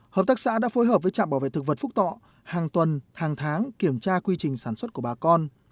hợp tác xã đã phối hợp với trạm bảo vệ thực vật phúc thọ hàng tuần hàng tháng kiểm tra quy trình sản xuất của bà con